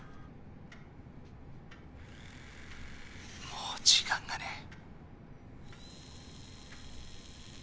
もう時間がねえ。